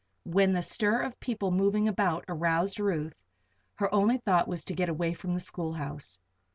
When the stir of people moving about aroused Ruth, her only thought was to get away from the schoolhouse.